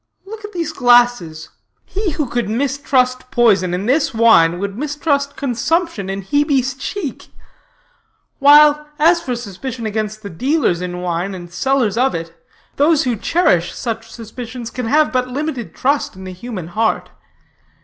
Look at these glasses. He who could mistrust poison in this wine would mistrust consumption in Hebe's cheek. While, as for suspicions against the dealers in wine and sellers of it, those who cherish such suspicions can have but limited trust in the human heart.